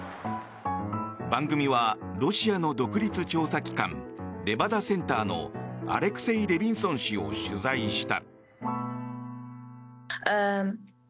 番組はロシアの独立調査機関レバダセンターのアレクセイ・レビンソン氏を取材した。